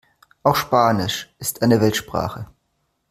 Auch Spanisch ist eine Weltsprache.